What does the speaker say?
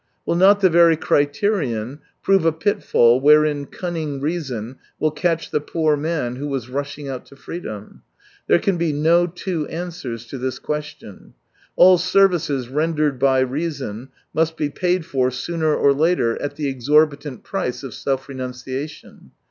Will not the very criterion prove a pitfall wherein cunning reason will catch the poor man who was rushing out to freedom ? There can be no two answers to this question. AU services rendered by reason must be paid for sooner or later at the exorbitant price of self renunciation.